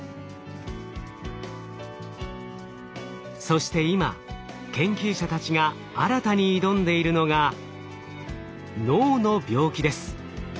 そして今研究者たちが新たに挑んでいるのが脳の病気です。